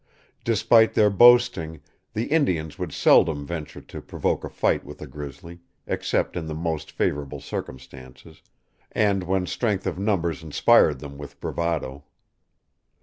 Despite their boasting, the Indians would seldom venture to provoke a fight with a grizzly, except in the most favorable circumstances, and when strength of numbers inspired them with bravado.